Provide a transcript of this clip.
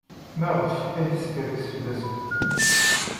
Maɣef ay teskerkes fell-asen?